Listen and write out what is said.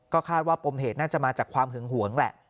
คาดว่าปมเหตุน่าจะมาจากความหึงหวงแหละ